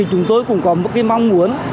chúng tôi cũng có mong muốn